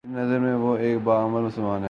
میری نظر میں وہ ایک با عمل مسلمان ہے